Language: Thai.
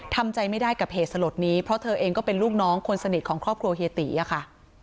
ทำใจไม่ได้กับเหตุสลดนี้เพราะเธอเองก็เป็นลูกน้องคนสนิทของครอบครัวเฮียตีอะค่ะ